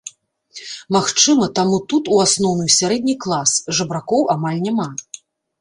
Магчыма, таму тут у асноўным сярэдні клас, жабракоў амаль няма.